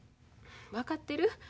分かってる。